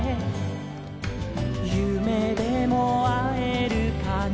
「ゆめでもあえるかな」